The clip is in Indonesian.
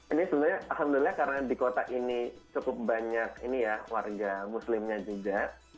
ini sebenarnya alhamdulillah karena di kota ini cukup banyak ini ya warga muslimnya juga